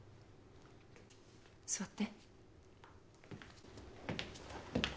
座って。